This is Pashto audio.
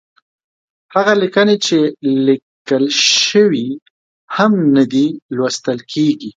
هغه ليکنې چې ليکل شوې هم نه دي، لوستل کېږي.